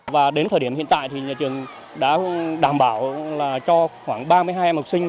và đến thời điểm hiện tại thì nhà trường đã đảm bảo là cho khoảng ba mươi hai em học sinh